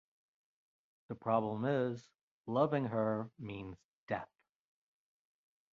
The problem is, loving her means death.